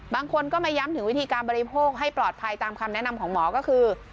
บางคนก็มาย้ำถึงวิธีการบริโภคให้ปลอดภัยตามคำแนะนำของหมอก็คือ